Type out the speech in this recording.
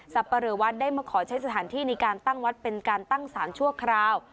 ปะเลอวัดได้มาขอใช้สถานที่ในการตั้งวัดเป็นการตั้งสารชั่วคราว